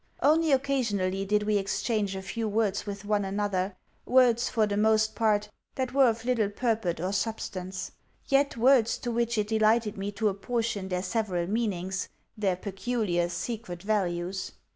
Only occasionally did we exchange a few words with one another words, for the most part, that were of little purport or substance, yet words to which it delighted me to apportion their several meanings, their peculiar secret values.